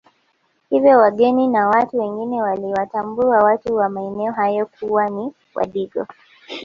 Hivyo wageni na watu wengine waliwatambua watu wa maeneo hayo kuwa ni Wadigo